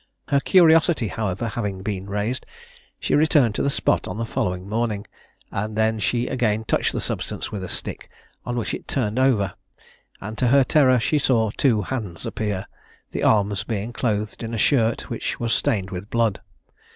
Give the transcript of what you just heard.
Her curiosity, however, having been raised, she returned to the spot on the following morning, and then she again touched the substance with a stick, on which it turned over, and to her terror, she saw two hands appear, the arms being clothed in a shirt, which was stained with blood.